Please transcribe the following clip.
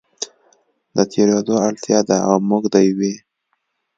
د تېرېدو اړتیا ده او موږ د یوې